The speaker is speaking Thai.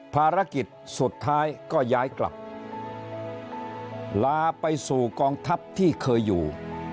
ภารกิจสุดท้ายก็ย้ายกลับลาไปสู่กองทัพที่เคยอยู่